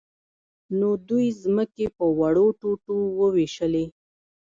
نو دوی ځمکې په وړو ټوټو وویشلې.